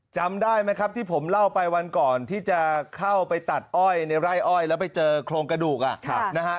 จำได้ไหมครับที่ผมเล่าไปวันก่อนที่จะเข้าไปตัดอ้อยในไร่อ้อยแล้วไปเจอโครงกระดูกนะฮะ